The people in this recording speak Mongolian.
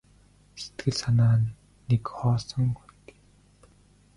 Сэтгэл санаа нь нэг хоосон хөндий.